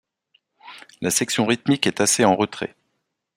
La section rythmique est assez en retrait.